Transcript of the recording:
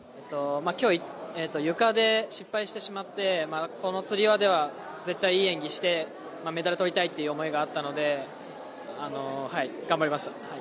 今日、ゆかで失敗してしまってこのつり輪では、絶対いい演技してメダル取りたいっていう思いがあったので頑張りました。